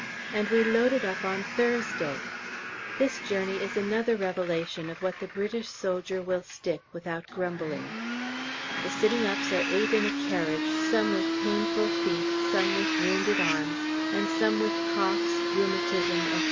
And we loaded up on Thursday. This journey is another revelation of what the British soldier will stick without grumbling. The sitting ups are eight in a carriage, some with painful feet, some with wounded arms, and some with coughs, rheumatism, &c.